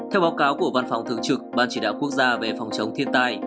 theo báo cáo của văn phòng thường trực ban chỉ đạo quốc gia về phòng chống thiên tai